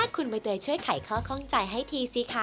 คุณใบเตยช่วยไขข้อข้องใจให้ทีสิคะ